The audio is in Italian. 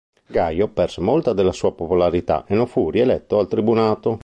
Gaio perse molta della sua popolarità e non fu rieletto al tribunato.